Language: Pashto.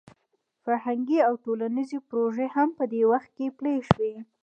فرهنګي او ټولنیزې پروژې هم په دې وخت کې پلې شوې.